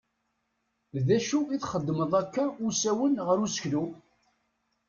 D acu i txeddmeḍ akka usawen ɣef useklu?